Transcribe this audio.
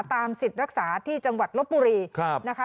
สิทธิ์รักษาที่จังหวัดลบบุรีนะคะ